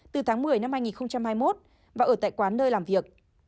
từ tháng một mươi năm hai nghìn hai mươi một và ở tại quán nơi làm việc